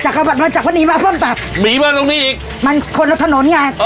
จักรวรรดิมาจับวันนี้มาพ่อมปัดหนีมาตรงนี้อีกมันคนแล้วถนนไงเออ